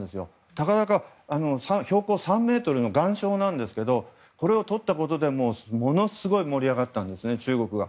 たかだか標高３ｍの岩礁なんですがこれをとったことでものすごい盛り上がったんですね中国は。